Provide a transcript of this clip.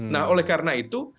nah oleh karena itu